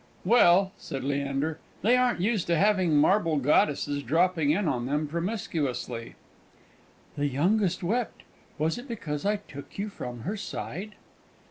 "Well," said Leander, "they aren't used to having marble goddesses dropping in on them promiscuously." "The youngest wept: was it because I took you from her side?"